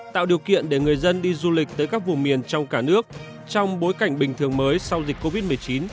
tạo điều kiện để người dân đi du lịch tới các vùng miền trong cả nước trong bối cảnh bình thường mới sau dịch covid một mươi chín